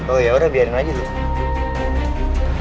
oh ya udah biarin aja tuh